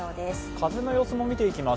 風の様子も見ていきます。